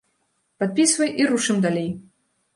Падпісвай, і рушым далей!